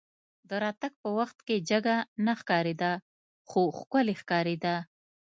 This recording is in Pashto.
د راتګ په وخت کې جګه نه ښکارېده خو ښکلې ښکارېده.